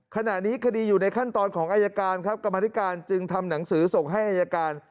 ขณะนี้คดีอยู่ในขั้นตอนของอายการครับกรรมธิการจึงทำหนังสือส่งให้อายการ